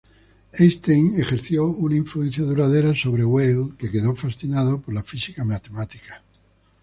Einstein ejerció una influencia duradera sobre Weyl, que quedó fascinado por la física matemática.